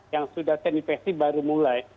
yang sudah terinfeksi baru mulai